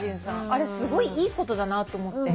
あれすごいいいことだなと思って。